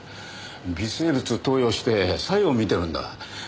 微生物を投与して作用を見てるんだ。